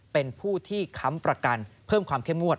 เป็นผู้ที่ค้ำประกันเพิ่มความเข้มงวด